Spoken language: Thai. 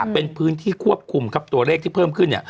เป็นพื้นที่ควบคุมครับตัวเลขที่เพิ่มขึ้นเนี่ย